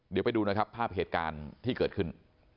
เดี๋ยวไปดูนะครับภาพเหตุการณ์ที่เกิดขึ้น